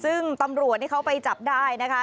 ซึ่งตำรวจที่เขาไปจับได้นะคะ